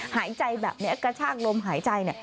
หายใจแบบนี้กระชากลมหายใจ